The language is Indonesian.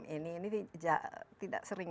ini ini tidak sering